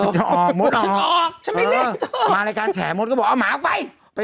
ถ้ามารายการแฉงมดก็บอกเอาหมาออกไป